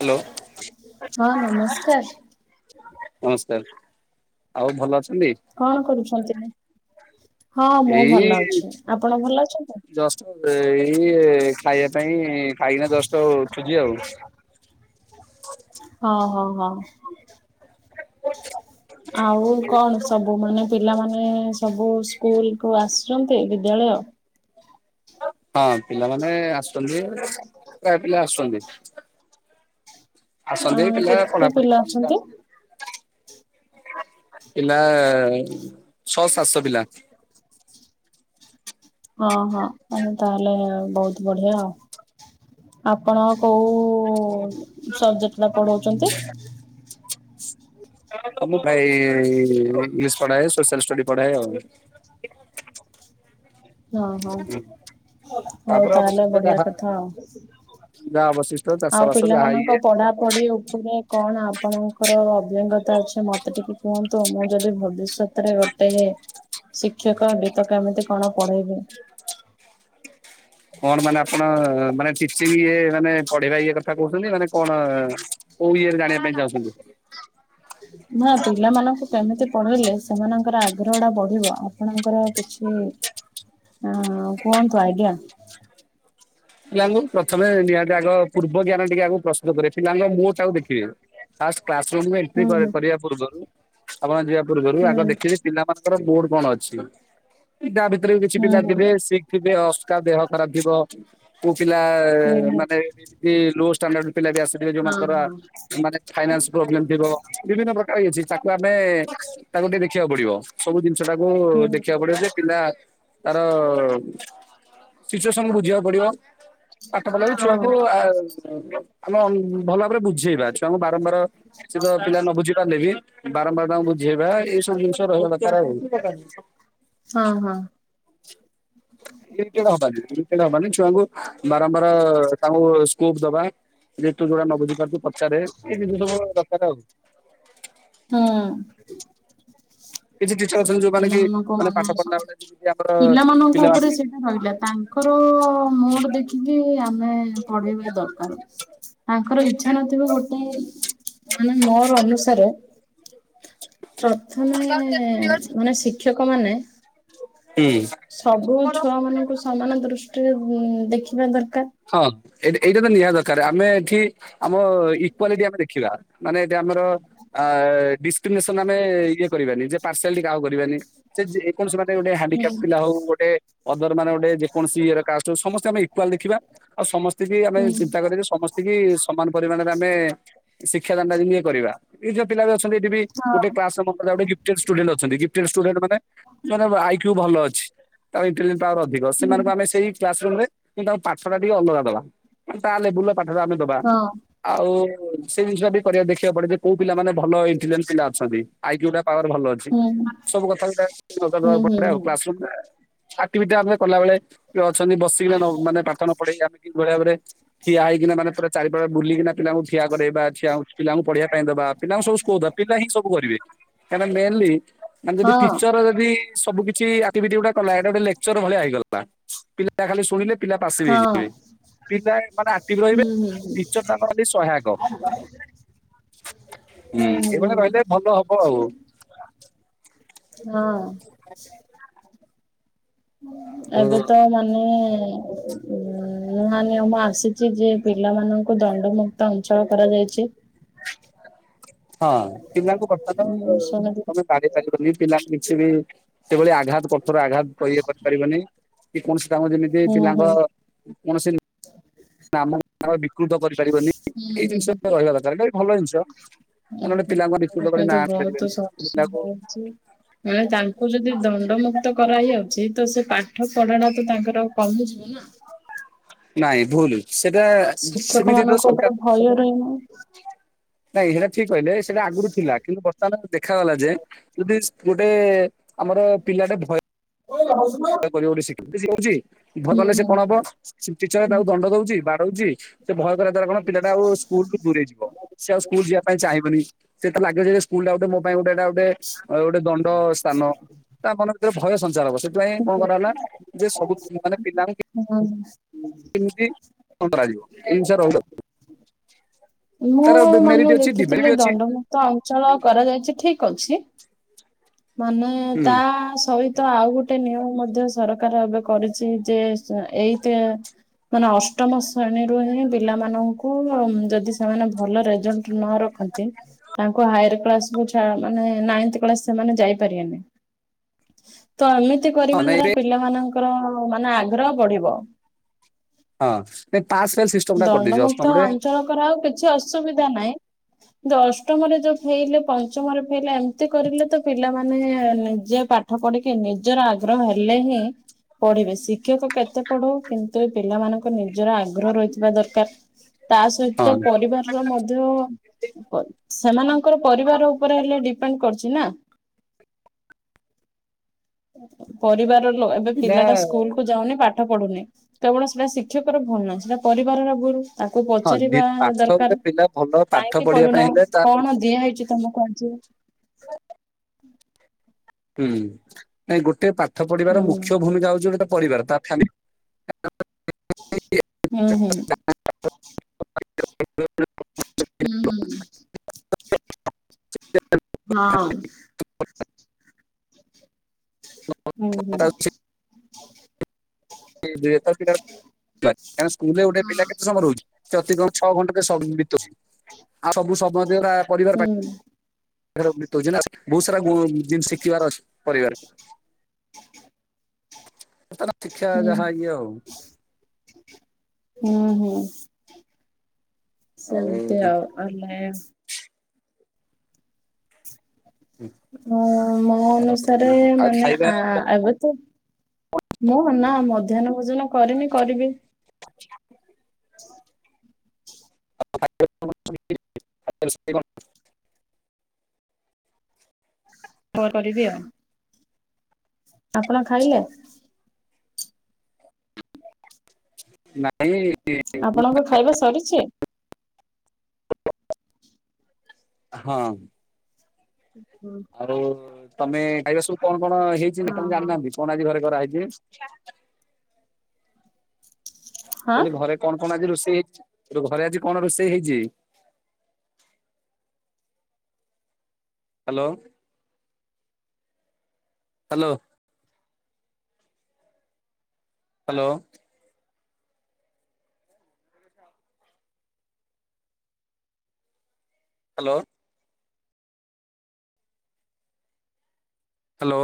Hello ହଁ ନମସ୍କାର। ନମସ୍କାର ଆଉ ଭଲ ଅଛନ୍ତି? କଣ କରୁଛନ୍ତି? ହଁ ମୁଁ ଏଇ ଭଲ ଅଛି ଆପଣ ଭଲ ଅଛନ୍ତି? ଜଷ୍ଟ ଏଇ ଖାଇବା ପାଇଁ ଖାଇକିନା ଦଶଟା ସୁଜି ଆଉ। ହ ହଉ ହଉ। ଆଉ କଣ ସବୁ ମାନେ ପିଲାମାନୋନ ସବୁ ସ୍କୁଲ କୁ ଆସ ଆୁଛନ୍ତି ବିଦ୍ୟାଳୟ ହଁ ପିଲାମାନେ ଆସୁଛନ୍ତି ପ୍ରାୟ ପିଲା ଆସୁଛନ୍ତି। ଆଉ ଅ ସନ୍ଧ୍ୟେଇ ପିଲା କେତେ ପଢାପଢ ପିଲା ଅଛନ୍ତି? ପିଲା ଛଅ ସାତଶହ ପିଲା। ହଁ ହଁ ତାହେଲେ ବହୁତ ବଢିଆ ଆଉ ଆପଣ କୋଉ ସବଜେକ୍ଟା ପଢଉଛନ୍ତି ମୁଁ ଭାଇ ଇଂଶ ପଢାଏଲ ପଢାଏ ଆଉ। ହଁ ହଁ ହଉ ତାପରେ ତାହେଲେ ବଢିଆ କଥା ଆଉ। ଯା ବସ। ଆଉ ପିଲାମାନଙ୍କ ପଢା ପଢି ଉପରେ କଣ ଆପଣଙ୍କର ଅଭିଜ୍ଙ୍ଗତା ଅଛି ମତେ ଟିକେ କୁହନ୍ତୁ ମୁଁ ଯଦି ଭବିଷ୍ୟତରେ ତେ ଶିକ୍ଷକବ ତ କେମିତି କଣ ପଢେଇବି? । କଣ ମାନେ ଆପଣ ମାନେ ଚ ଇଏ ମାନେ ପଢେଇବା ଇଏ କଥା କହୁଛନ୍ତି ମାନେ କଣ? ଓ ଇଏରେ ଜାଣିବା ପାଇଁ ଚାଉଛନ୍ତି? [inaudible] ନା ପିଲାମାନଙ୍କୁ କେମିତି ପଢେଇଲେ ସେମାନଙ୍କର ଆଗ୍ରହ ଟା ବଢିବ ଆପଣଙ୍କର କିଛି ଅ, କୁହନ୍ତୁ ଆଜ୍ଞା। ପିଲାଙ୍କୁ ପ୍ରଥମେ ନିହାତି ଆଗ ପୂର୍ବ ଜ୍ଞାନ ଟିକେ ଆଗକୁ ପ୍ରସ୍ତୁତ କରିବେ, ପିଲାଙ୍କ [unintelligible] ତାକୁ ଦେଖିବେ। ଫାଷ୍ଟ କ୍ଲାସ୍ ରୁମ୍ କୁ ହୁଁ ଏଣ୍ଟ୍ରି ହୁଁ କରିବା ପୂର୍ବରୁ ଆପଣ ଯିବା ପୂର୍ବରୁ ହୁଁ। ଆଗ ଦେଖିବି ପିଲା ମାନଙ୍କର ମୋର୍ଡ କଣ ଅଛି। ଏ ତା ଭିତରେ ବି କିଛି ହୁଁ ପିଲା ହୁଁ ଥିବେ ଶିକ୍ ଥିବେ ଅସ୍କା ଦେହ ଖରାପ ଥିବ କୋଉ ପିଲା ହୁଁ ହୁଁ ମାନେ କି ଲୋା ଷ୍ଟାଣ୍ଡାର୍ଡ ପିଲା ବି ଆସି ଏ ଯୋଉ ହଁ ମାନଙ୍କର ହଁ ମାନେ ଫାଇନାନ୍ସ ପ୍ରୋବ୍ଲେମ୍ ଥିବ। ବିଭିନ୍ନ ପ୍ରକାର ହେଇଛି, ତାକୁ ଆମେ ତାକୁ ଟିକେ ଦେଖିବାକୁ ପଡିବ। ସବୁ ଜିନିଷ ଟାକୁ ହୁଁ ଦେଖିବାକୁ ପଡିବ ଯେ ପିଲା ତାର ସିଚୁଏସନ୍ କୁ ବୁଝିବାକୁ ପଡିବ। ପାଠ ପଢ଼ା ବି ହଁ ଛୁଆକୁ ଆ, ଅ, ଆମେ ଭଲ ଭାବରେ ବୁଝେଇବା, ଛୁ ତାଙ୍କୁ ବାରମ୍ବାର ସେଘ ପିଲା ନ ବୁଝି ପାରିଲେ ବି ବାରମ୍ବାର ତାଙ୍କୁ ବୁଝେଇବା ଏଇସବୁ ଜିନିଷ ରହିବ [unintelligible] ଆଉ। ହଁ, ହଁ। [unintelligible] ହବନି [unintelligible] ହବନି ଛୁଆଙ୍କୁ ବାରମ୍ବାର ତାଙ୍କୁ ସ୍କୋପ୍ ଦବା ଯେ ତୁ ଯୋଉଟା ନ ବୁଝିପାରୁଛୁ ପଚାରେ ଏଇ ଜିନିଷ ସବୁ ଦରକାର ଆଉ। ହଁ। କିଛି ଟିଚର ସେ ଅଛନ୍ତି ଯୋଉମାନେ କି ପିଲାମାନଙ୍କ ପାଠ ମାନେ ଏ ପଢିଲା ସବୁ, ବେଳେ ଯେମିତି ଆମର ପିଲାମାନଙ୍କ ଉପରେ ପିଲାମାନେ ସେ ରହିଲା ତାଙ୍କର ମୁଡ୍ ଦେଖିକି ଆମେ ପଢେଇବା ଦରକାର। ତାଙ୍କର ଇଚ୍ଛା ନଥିବ ଗୋଟେ ମାନେ ମୋର ଅନୁସାରେ ପ୍ରଥମେ ମାନେ ଶିକ୍ଷକ ମାନେ ହୁଁ। ସବୁ ଛୁଆ ମାନଙ୍କୁ ସମାନ ଦୃଷ୍ଟିରେ ଉଁ, ଦେଖିବା ଦରକାର। ହଁ ଏଇଟା ଏଇଟା ତ ନିହାତି ଦରକାର ଆମେ ଏଠି ଆମ ଇକ୍ୱାଲିଟି ଆମେ ଦେଖିବା। ମାନେ ଏଠି ଆମର ଆ, ଡିସକ୍ରିମିନେସନ ଆମେ ଇଏ କରିବାନି, ଯେ ପାର୍ସିଆଲିଟି କାହାକୁ କରିବାନି। ସେ ଯେ କୌଣସି ମାନେ ଗୋଟେ ହୁଁ ହାଣ୍ଡିକାପ୍ ପିଲା ହଉ ଗୋଟେ ଅଦର ମାନେ ଗୋଟେ ଯେକୌଣସି ଇଏର କାଷ୍ଟ ହଉ ସମସ୍ତେ ଆମେ ଇକ୍ୱାଲ୍ ଦେଖିବା, ଆଉ ସମସ୍ତେ ବି ଆମେ ହୁଁ ଚିନ୍ତା କରିବା ସମସ୍ ତିକି ସମାନ ପରିମାଣରେ ଆମେ ଶିକ୍ଷା ଦାନ ଟା ଇଏ କରିବା, ଏଇ ଯୋଉ ପିଲା ବି ଅଛନ୍ତି ଏଠି ବି ହଁ ଗୋଟେ କ୍ଲାସ୍ ରେ ମୋ ପାଖରେ ଗୋଟେ ଗିଫ୍ଟେଡ୍ ଷ୍ଟୁଡେଣ୍ଟ୍ ଅଛନ୍ତି, ଗିଫ୍ଟେଡ ଷ୍ଟୁଡେଣ୍ଟ୍ ମାନେ ମାନେ ଆଇକ୍ୟୁ ଭଲ ଅଛି? [unintelligible] ପାୱାର୍ ଅଧିକ, ସେମାନଙ୍କୁ ଆମେ ସେଇ କ୍ଲାସୂ ରୁମ୍ ରେ ତାଙ୍କ ପାଠ ଟା ଟିକେ ଅଲଗା ଦବା ମାନେ ତା ଲେବୁଲ୍ ର ପାଠଟା ଆମେ ଦବା। ଆଉ ସେଇ ଜିନିଷଟି କରିବା ଦେଖିବାକୁ ପଡେ ଯେ କୋଉ ପିଲାମାନେ ଭଲ ଇଣ୍ଟେଲିଜେଣ୍ଟ ପିଲା ଅଛନ୍ତି ଆଇକ୍ୟୁ ଟା ପାୱାର୍ ଭଲ ଅ ଛି, ହଁ ହୁଁ ସବୁ କଥାକୁ ହୁଁ [unintelligible] ହୁଁ ପଡେ ଆଉ ହୁଁ କ୍ଲାସ୍ ରୁମ୍ ଟା ଆକ୍ଟିଭିଟି ଟା ଆମେ କଲାବେଳେ କିଏ ଅଛନ୍ତି ବସିକିନା ନ ମାନେ ପାଠ ନ ପଢେଇକି [unintelligible] କି ଭଳି ଭାବରେ ଠିଆ ହେଇକିନା ମାନେ ପୁରା ଚାରିପଟେ ବୁଲିକିନା ପିଲାଙ୍କୁ ଠିଆ କରେଇବା, ଛିଆ ପିଲାଙ୍କୁ ପଢ଼ିବା ପାଇଁ ଦେବା। ପିଲାଙ୍କୁ ସବୁ ସ୍କୋପ୍ ଦବା, ପିଲା ହିଁ ସବୁ କରିବେ, କାହିଁକି ନା ମେନଲି ମାନେ ଯଦି ହଁ ଟିଚର୍ ଯଦି ସବୁ କିଛି ଆକ୍ଟିଭିଟି ଗୁଡା କଲା ଏଇଟା ଗୋଟେ ଲେକ୍ଚର୍ ଭଳିଆ ହେଇଗଲା, ପିଲା ଖାଲି ଶୁଣିଲେ ପିଲା ପାସ୍ ବି ହଁ ହେଇଯିବେ। ପିଲା ମାନେ ଆକ୍ଟିଭି ରହିବେ ହୁଁ ହୁଁ ହୁଁ ଟିଚର୍ ତାଙ୍କ ଖାଲି ସହାୟକ। ହୁଁ, ଏଇ ହୁଁ ଭଳିଆ ରହିଲେ ହୁଁ ଭଲ ହବ ଆଉ। ହଁ। [inaudible] ଆଉ ଏବେ ତ ମାନେ ଉ [unintelligible] ନୂଆ ନିୟମ ଆସିଛି ଯେ ପିଲାମାନଙ୍କୁ ଦଣ୍ଡମୁକ୍ତ ଅଞ୍ଚଳ କରାଯାଇଛି। ହଁ ପିଲାଙ୍କୁ ବର୍ତ୍ତମାନେ ମୁଁ ଶୁଣିଥିଲି ତମେ ପା ପାରିବନି। ପିଲା କିଛିବି ସେଭଳି ଆଘାତ କଠୋର ଆଘାତ କରିପାରିବନି। କି କୌଣସି କାମ ଯେମିତି ହୁଁ ହୁଁ। ପିଲାଙ୍କ କୌଣସି ନା ଆମ ଗା [unintelligible] ବିକୃତ କରିପାରିବନି ଏଇ ଜିନିଷ ରହିବା ଦରକାର ଏଇଟା ବି ଭଲ ଜିନିଷ। ଆ ନହେଲେ ପିଲାଙ୍କୁ ବିକୃତ ଆଙ୍କ କରି ପାଇଁ ନାଁ ତ ଆଣି ବହୁତ ପାରିବେନି ପିଲାକୁ ସହସୁବିଧା ଅଛି [unintelligible] ମାନେ ତାଙ୍କୁ ଯଦି ଦଣ୍ଡମୁ କ୍ତ କରାହେଇ ଆଉଛି ତ ସେ ପାଠ ପଢାଟା ତ ତାଙ୍କର କମିଯିବ ନା। ନାଇଁ ଭୁଲୁ। ସେଟା ଶିକ୍ଷକ ସିମିତି ତ ମାନଙ୍କ ଉପରେ ଭୟ ରହିବ ସରକାର ନାଇଁ ସେଇଟା ଠିକ୍ କହିଲେ ସେଇଟା ଆଗରୁ ଥିଲା କିନ୍ତୁ ବର୍ତ୍ତମାନ ଦେଖାଗଲା ଯେ ଯଦିସ୍ ଗୋଟେ ଆମର ପିଲାଟେ ଭୟ [unintelligible] ଶିଖ ହଉଛି ଇଭ [unintelligible] ହୁଁ କଲେ ସେ ହୁଁ। କଣ ହବ ଟିଚର ତାକୁ ଦଣ୍ଡ ଦଉଛି ବାଡଉଛି ସେ ଭୟ କରିବା ଦ୍ଵାରା କଣ ପିଲାଟା ଆଉ ସ୍କୁଲୁ ଠୁ ଦୂରେଇ ଯିବ ସେ ଆଉ ସ୍କୁଲ ଯିବା ପାଇଁ ଚାହିଁବନି। ସେଟା ଲାଗିବ ଯେ ସ୍କୁଲ ଟା ଗୋଟେ ମୋ ପାଇଁ ଗୋଟେ ଏଇଟା ଗୋଟେ ଦଣ୍ଡସ୍ଥାନ। ତା ମନ ଭିତରେ ଭୟ ସଞ୍ଚାର ହବ ସେଥିପାଇଁ କଣ କରାହେଲା ଯେ ସବୁମାନେ ପିଲାଙ୍କୁ [unintelligible] [unintelligible] ମୁଁ ମେରିଟ ମାନେ ଅଛି ଡିମେରିଟ ଦେଖିଥିଲି ଅଛି ଦଣ୍ଡମୁକ୍ତ ଅଞ୍ଚଳ କରାଯାଇଛି ଠିକ୍ ଅଛି। ମାନେ ହୁଁ ତା ସହି ତ ଆଉ ଗୋଟେ ନିୟମ ମଧ୍ୟ ସରକାର ଏବେ କରିଛି ଯେ ଏଇତ ମାନେ ଅଷ୍ଟମ ଶ୍ରେଣୀରୁ ହିଁ ପିଲାମାନଙ୍କୁ ଯଦି ସେମାନେ ଭଲ ରେଜଲ୍ଟ ନ ରଖ ତାଙ୍କୁ ହାୟର କ୍ଲାସ କୁ ଛା ମାନେ ନାଇନ୍ଥ କ୍ଲାସ ସେମାନେ ଯାଇପାରିବେନି ତ ଏମିତି ହଁ କରିବା ନାଇଁ ଏବେ ଦ୍ଵାରା ପିଲାମାନଙ୍କର ମାନେ ଆଗ୍ରହ ବଢିବ। ହଁ ନାଇଁ ପାସ୍ ଫେଲ ସିଷ୍ଟମ ଟା କରିଦେଇଛି ଅଷ୍ଟମରେ କରାହଉ କିଛି ଅସୁବିଧା ନାହିଁ କିନ୍ତୁ ଅଷ୍ଟମରେ ଯୋଉ ଫେଲ ପଞ୍ଚମରେ ଫେଲ ଏମ ଏମିତି କରିଲେ ତ ପିଲାମାନେ ନିଜେ ପାଠ ପଢିକି ନିଜର ଆଗ୍ରହ ହେଲେ ହିଁ ପଢିବେ ଶିକ୍ଷକ କେତେ ପଢଉ କିନ୍ତୁ ଏ ପିଲାମାନଙ୍କୁ ତାଙ୍କ ନିଜର ଆଗ୍ରହ ରହିଥିବା ଦରକାର ତା ହଁ ସହିତ ପରିବାରର ମଧ୍ୟ ପ ସେମାନଙ୍କର ପରିବାର ଉପରେ ହେଲେ ଡିପେଣ୍ଡ୍ କରୁଛି ନା। ପରିବାର ଲୋ ଏ ଏବେ ପିଲା ପିଲାଟା ସ୍କୁଲ କୁ ଯାଉନି ପାଠ ପଢୁନି କେବଳ ସେଇଟା ଶିକ୍ଷକର ଭୁଲ ନୁହଁ ସେଟା ପରିବାରର ଭୁଲ। ତାକୁ ହଁ ପଚାରିବା ନି- ପାଠ ଗୋଟେ ଦରକାର ପିଲା ଭଲ ପାଠ କାଇଁକି ପଢିବା ପାଇଁ ପଢୁନୁ, ହେଲେ ତା ମୁ- କଣ ଦିଆ ହେଇଛି ତମକୁ ଆଜି? ହୁଁ ନାଇଁ ଗୋଟେ ପାଠ ପଢିବାର ହୁଁ। ମୁଖ୍ୟ ଭୂମିକା ହଉଛି ଗୋଟେ ତା ପରିବାର ତା ଫ୍ୟାମିଲୀ ହୁଁ, ହୁଁ ହୁଁ, ହୁଁ [inaudible] ହଁ [inaudible] ହୁଁ, ହୁଁ [unintelligible] କାହିଁକି ନା ସ୍କୁଲରେ ଗୋଟେ ପିଲା କେତେ ସମୟ ରହୁଛି। ସେ ଅତି କମରେ ଛଅ ଘଣ୍ଟା ଟେ ସମ ବିତଉଚି ଆଉ ସବୁ ସମୟ ତିକ [unintelligible] ତା ପରିବାର ହୁଁ। ସାରା ବିତଉଚି ନା ବହୁତ ସାରା ଗୁ ଜିନିଷ ଶିଖିବାର ଅଛି ପରିବାରରେ। ହୁଁ [unintelligible] ହୁଁ ହୁଁ ଆଉ ସେମତି ଆଉ। ଅଇଲେ। ମୁଁ ମୋ ଅନୁସାରେ ଆଉ ମାନେ ଖାଇବା ଆ ଏବେ ତ। ମୁଁ ନା ମଧ୍ୟାହ୍ନ ଭୋଜନ କରିନି କରିବି। [inaudible] [unintelligible] ପରେ କରିବି ଆଉ। ଆପଣ ଖାଇଲେ? ନାଇଁ ଆପଣଙ୍କ ଖାଇବା ସରିଛି? ମୁଁ [unintelligible] [unintelligible] ହୁଁ। ଆଉ ତମେ ଖାଇବା ସବୁ କଣ କଣ ହେଇଛି ହଁ ତମେ ହଁ। ଜାଣିନାହାନ୍ତି, କଣ ଆଜି ଘରେ କରାହେଇଛି। ମୁଁ ହଁ। କହିଲି ଘରେ। କଣ କଣ ଆଜି ରୋଷେଇ ହେଇଛି ଏ ଯୋଉ ଘରେ ଆଜି କଣ ରୋଷେଇ ହେଇଛି। Hello hello. Hello. Hello. Hello.